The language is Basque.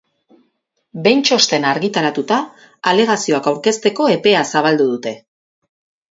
Behin txostena argitaratuta, alegazioak aurkezteko epea zabaldu dute.